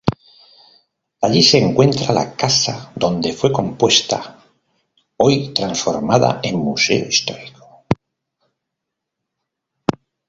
Allí se encuentra la casa donde fue compuesta, hoy transformada en museo histórico.